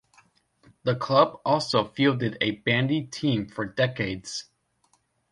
The club also fielded a bandy team for decades.